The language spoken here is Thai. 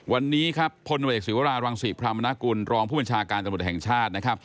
วันนี้ครับพลวงเด็กศรีวรารังศรีพรามณกุลรองผู้บัญชาการสมุทรแห่งชาติ